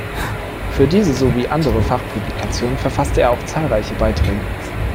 Für diese sowie für andere Fachpublikationen verfasste er auch zahlreiche Beiträge.